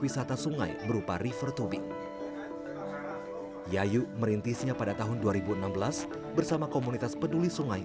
wisata sungai berupa river tubing yayu merintisnya pada tahun dua ribu enam belas bersama komunitas peduli sungai